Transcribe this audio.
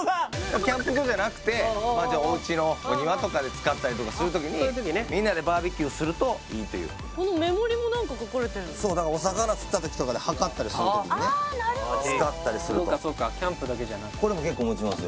キャンプ場じゃなくておうちのお庭とかで使ったりとかする時にみんなでバーベキューするといいというそうだからお魚釣った時とかで測ったりする時にねああなるほどそうかキャンプだけじゃなくてこれも結構もちますよ